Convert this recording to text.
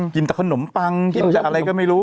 กินแต่ขนมปังกินจากอะไรก็ไม่รู้